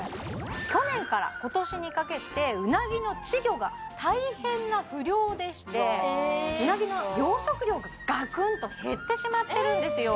去年から今年にかけてうなぎの稚魚が大変な不漁でしてうなぎの養殖量ががくんと減ってしまってるんですよ